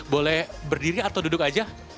boleh berdiri atau duduk aja